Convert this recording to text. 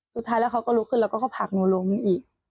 สุดท้ายแล้วเขาก็ลุกขึ้นแล้วก็เขาผลักหนูล้มอีก